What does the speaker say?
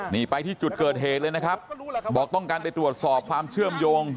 นี่ไปที่จุดเกิดเหตุเลยนะครับบอกต้องการไปตรวจสอบความเชื่อมโยง